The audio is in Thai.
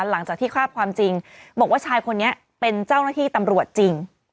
หลังจากที่ทราบความจริงบอกว่าชายคนนี้เป็นเจ้าหน้าที่ตำรวจจริง